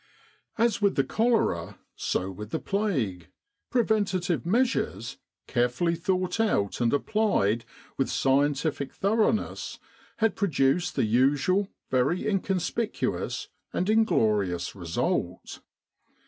As with the cholera so with the plague, preventive measures, carefully thought out and applied with scientific thoroughness, had produced the usual very inconspicuous and inglorious result.